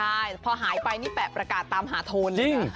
ใช่พอหายไปนี่แปะประกาศตามหาโทนเลยนะ